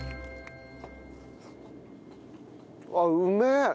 あっうめえ！